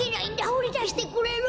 ほりだしてくれる？